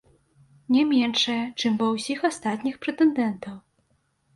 Не меншая, чым ва ўсіх астатніх прэтэндэнтаў.